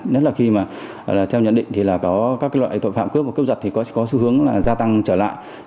nhất là khi mà theo nhận định thì có các loại tội phạm cướp và cướp giật có xu hướng gia tăng trở lại